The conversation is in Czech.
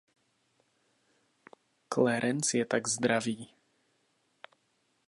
Clarence je tak zdravý.